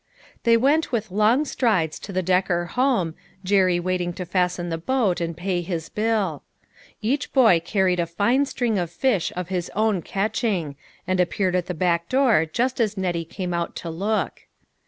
They went with long strides to the Decker home, Jerry waiting to fasten the boat and pay his bill. Each boy carried a fine string of fish of his own catching ; and appeared at the back door just as Nettie came out to look.